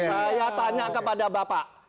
saya tanya kepada bapak